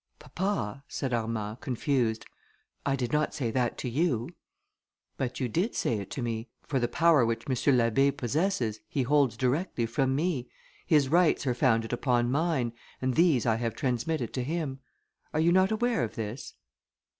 "Papa," said Armand, confused, "I did not say that to you." "But you did say it to me, for the power which M. l'Abbé possesses, he holds directly from me, his rights are founded upon mine, and these I have transmitted to him. Are you not aware of this?"